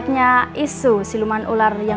kami harus keluar dari sini